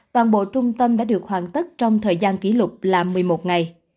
toàn bộ trung tâm đã được hoàn tất trong thời gian kỷ lục là một mươi một ngày